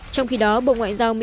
trong khi đó bộ ngoại giao mỹ